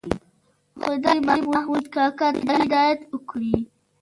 خدای دې محمود کاکا ته هدایت وکړي.